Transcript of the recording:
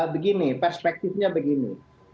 begini perspektifnya begini